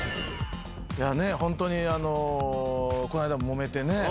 いや本当にこの間も揉めてね。